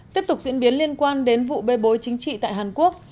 tiếp tục diễn biến liên quan đến vụ bê bối chính trị tại hàn quốc